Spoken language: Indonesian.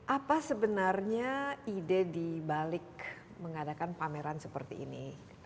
apa sebenarnya ide di balik mengadakan pameran seperti ini